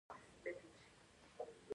هرات د افغانستان د اجتماعي جوړښت برخه ده.